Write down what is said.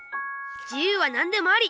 自由は何でもあり！